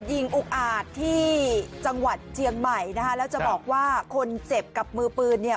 อุกอาจที่จังหวัดเจียงใหม่นะคะแล้วจะบอกว่าคนเจ็บกับมือปืนเนี่ย